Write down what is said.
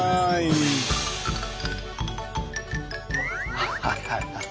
ハハハハ。